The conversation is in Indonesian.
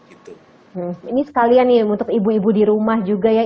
ini sekalian nih untuk ibu ibu di rumah juga ya